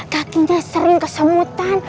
kakinya sering kesemutan